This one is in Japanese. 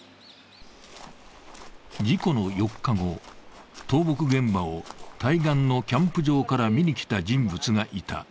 事故の４日後、倒木現場を対岸のキャンプ場から見に来た人物がいた。